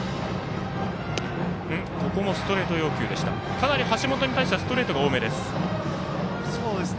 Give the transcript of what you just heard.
かなり橋本に対してはストレートが多めです。